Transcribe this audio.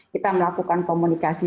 kita melakukan komunikasi